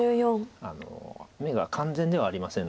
眼が完全ではありませんので。